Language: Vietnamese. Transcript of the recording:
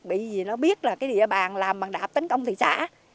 bởi vì nó biết là cái địa bàn làm bằng đạp tấn công thị xã